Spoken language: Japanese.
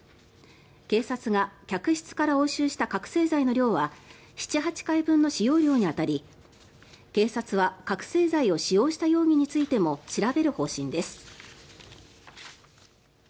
警察が客室から押収した覚醒剤の量は７８回分の使用量に当たり警察は覚醒剤を使用した容疑についても調べる方針です。